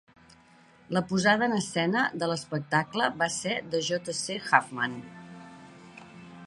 La posada en escena de l"espectacle va ser de J. C. Huffman.